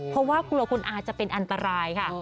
เพราะว่ากลัวคุณอาจะเป็นอันตรายค่ะ